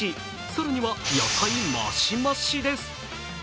更には野菜増し増しです。